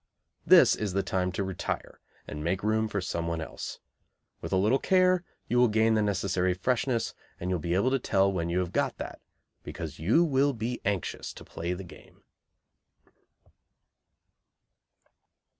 This is the time to retire and make room for someone else. With a little care you will gain the necessary freshness, and you will be able to tell when you have got that, because you will be anxious to play the game.